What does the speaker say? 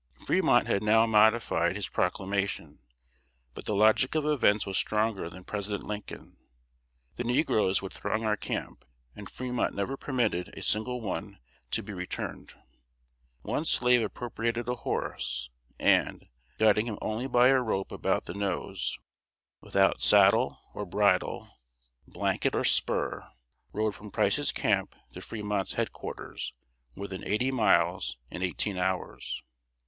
Fremont had now modified his Proclamation; but the logic of events was stronger than President Lincoln. The negroes would throng our camp, and Fremont never permitted a single one to be returned. One slave appropriated a horse, and, guiding him only by a rope about the nose, without saddle or bridle, blanket or spur, rode from Price's camp to Fremont's head quarters, more than eighty miles, in eighteen hours.